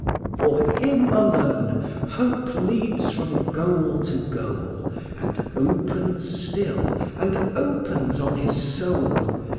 For Him alone, hope leads from goal to goal, And opens still, and opens on his soul!